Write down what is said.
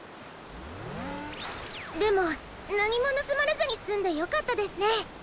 でもなにもぬすまれずにすんでよかったですね。